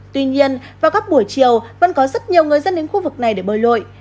tuy nhiên vào các buổi chiều vẫn có rất nhiều người dân đến khu vực này để bơi lội